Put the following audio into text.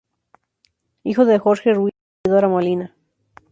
Hijo de Jorge Ruiz e Isidora Molina.